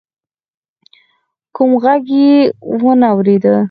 کوم غږ يې وانه ورېد.